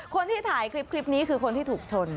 คนที่ถ่ายคลิปนี้คือคนที่ถูกชน